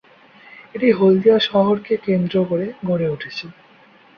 এটি হলদিয়া শহরকে কেন্দ্র করে গড়ে উঠেছে।